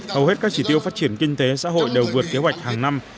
hầu hết các chỉ tiêu phát triển kinh tế xã hội đều vượt kế hoạch hàng năm